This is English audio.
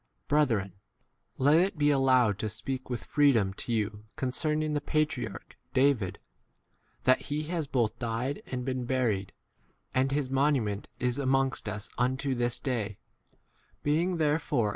Brethren, h let it be allowed to speak with freedom to you concerning the patriarch David, that he has both died and been buried, and his monument is 1 Kvpios, without article for Jehovah.